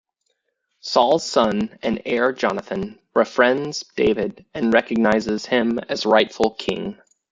Saul's son and heir Jonathan befriends David and recognises him as rightful king.